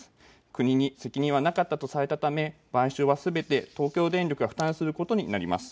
国に責任はなかったとされたため賠償はすべて東京電力が負担することになります。